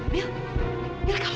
siapa yang pukulin kamu